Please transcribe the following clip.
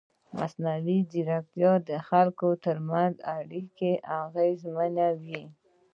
مصنوعي ځیرکتیا د خلکو ترمنځ اړیکې اغېزمنوي.